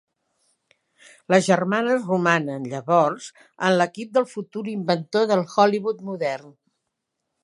Les germanes romanen, llavors, en l'equip del futur inventor del Hollywood modern.